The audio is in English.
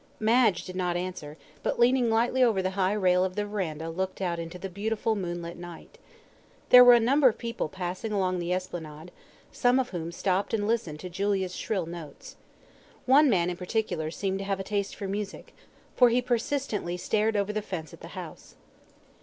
Madge did not answer, but leaning lightly over the high rail of the verandah looked out into the beautiful moonlit night. There were a number of people passing along the Esplanade, some of whom stopped and listened to Julia's shrill notes. One man in particular seemed to have a taste for music, for he persistently stared over the fence at the house.